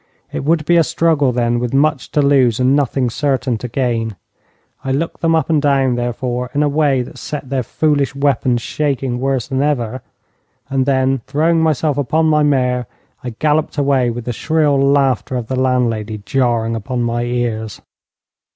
It would be a struggle, then, with much to lose and nothing certain to gain. I looked them up and down, therefore, in a way that set their foolish weapons shaking worse than ever, and then, throwing myself upon my mare, I galloped away with the shrill laughter of the landlady jarring upon my ears.